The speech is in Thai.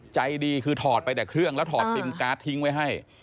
ใจดีคือถอดไปแต่เครื่องแล้วถอดซิมการ์ดทิ้งไว้ให้